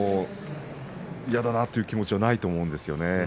嫌だなという気持ちはないと思います。